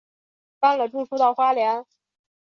搬了住处到花莲